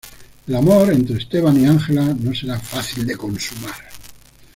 El amor entre Esteban y Ángela no será fácil de consumar.